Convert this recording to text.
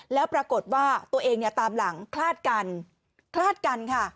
แล้วปรากฏว่าตัวเองเนี่ยตามหลังคลาดกันคลาดกันค่ะ